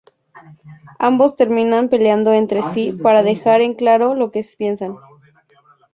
Ambos terminan peleando entre sí para dejar en claro lo que piensan.